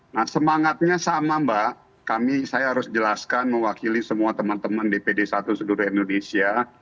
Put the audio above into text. nah semangatnya sama mbak kami saya harus jelaskan mewakili semua teman teman dpd satu seluruh indonesia